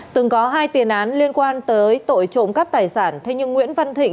từng có hai tiền án liên quan tới tội trộm cắp tài sản thế nhưng nguyễn văn thịnh